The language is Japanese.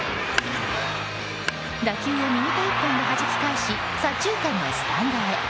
打球を右手一本ではじき返し左中間のスタンドへ。